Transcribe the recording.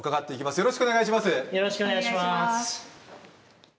よろしくお願いします